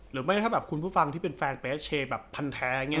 หรือมั้ยค่ะคุณผู้ฟังที่เป็นแฟนเป๊ะเชแสแบบพันแทร